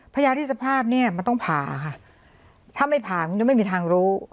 พยายามที่สภาพเนี่ยมันต้องผ่าค่ะถ้าไม่ผ่ามันจะไม่มีทางรู้